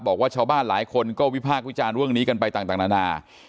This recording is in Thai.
บอกว่าชาวบ้านหลายคนก็วิพากษ์วิจารณ์เรื่องนี้กันไปต่างนานา